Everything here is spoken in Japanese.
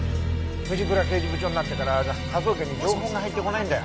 藤倉刑事部長になってから科捜研に情報が入ってこないんだよ。